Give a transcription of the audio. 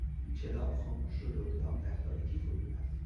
چراغ خاموش شد و اتاق در تاریکی فرو رفت.